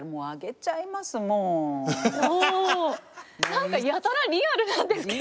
何かやたらリアルなんですけど。